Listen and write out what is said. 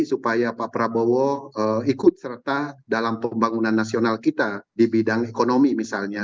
supaya pak prabowo ikut serta dalam pembangunan nasional kita di bidang ekonomi misalnya